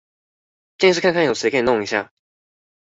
建議是看看有誰可以弄一下